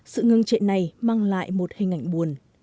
sự ngưng trệ này mang lại một hình ảnh buồn